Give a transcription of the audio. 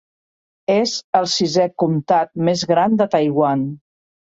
És el sisè comtat més gran de Taiwan.